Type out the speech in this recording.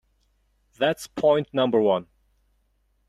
That's point number one.